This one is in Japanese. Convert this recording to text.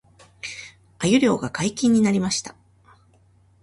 鮎漁が解禁になりました